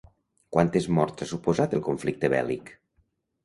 Quantes morts ha suposat el conflicte bèl·lic?